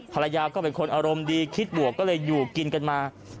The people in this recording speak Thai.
ภรรยาก็เป็นคนอารมณ์ดีคิดบวกก็เลยอยู่กินกันมา